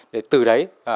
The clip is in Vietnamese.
để từ đấy